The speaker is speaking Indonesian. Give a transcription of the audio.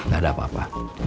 gak ada apa apa